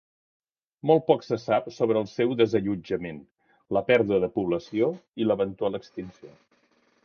Molt poc se sap sobre el seu desallotjament, la pèrdua de població i l'eventual extinció.